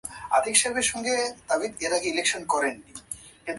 তিনি তাত্ত্বিক আলোচনা ও ব্যবহারিক উন্নয়ন বিষয়েও আগ্রহী।